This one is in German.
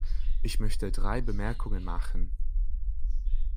Ich möchte drei Bemerkungen machen.